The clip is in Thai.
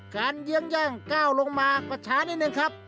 เยื้องแย่งก้าวลงมาก็ช้านิดนึงครับ